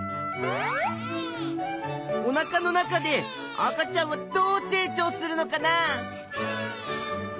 おなかの中で赤ちゃんはどう成長するのかな？